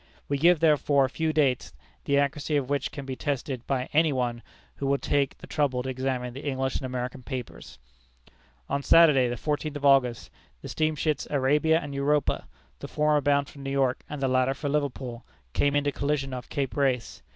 We give, therefore, a few dates, the accuracy of which can be tested by any one who will take the trouble to examine the English and American papers: On Saturday, the fourteenth of August, the steamships Arabia and Europa, the former bound for New York and the latter for Liverpool, came into collision off Cape Race.